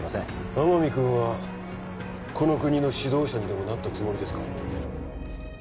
天海君はこの国の指導者にでもなったつもりですか？